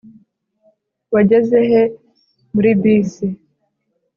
wageze he muri bisi